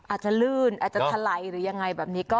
อาจจะลื่นอาจจะทะลัยอย่างไงแบบนี้